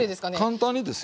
簡単にですよ。